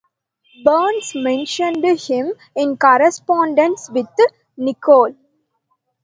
Burns mentioned him in correspondence with Nicol.